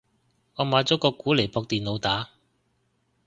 我買咗個鼓嚟駁電腦打